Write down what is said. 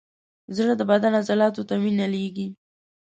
زړه د بدن عضلاتو ته وینه لیږي.